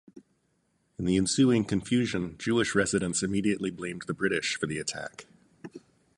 In the ensuing confusion, Jewish residents immediately blamed the British for the attack.